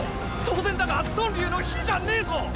当然だが屯留の比じゃねェぞ！